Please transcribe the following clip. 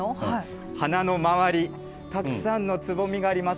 花の周り、たくさんのつぼみがあります。